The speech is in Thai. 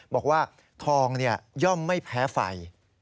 บอกว่าทองย่อมไม่แพ้ไฟ